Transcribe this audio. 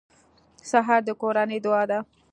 سهار د کورنۍ دعا ده.